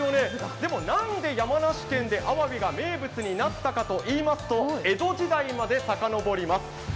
でも何で山梨県であわびが調理されているかといいますと江戸時代までさかのぼります。